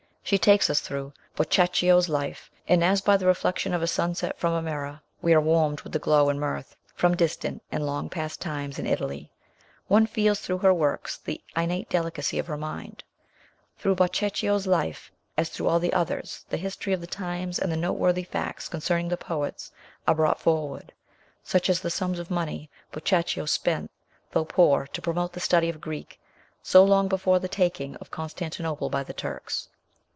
She takes us through Boccaccio's life, and, as by the reflection of a sunset from a mirror, we are warmed with the glow and mirth from distant and long past times in Italy. One feels through her works the innate delicacy of her mind. Through Boccaccio's life, as through all the others, the history of the times and the noteworthy facts concerning the poets are brought forward such as the sums of money Boccaccio spent, though poor, to promote the study of Greek, so long before the taking of Constantinople by the Turks.